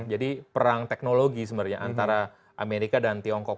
jadi perang teknologi sebenarnya antara amerika dan tiongkok